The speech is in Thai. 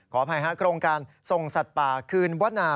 ขออภัยฮะโครงการส่งสัตว์ป่าคืนวนา